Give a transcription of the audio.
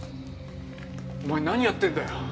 お前何やってんだよ。